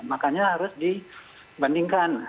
makanya harus dibandingkan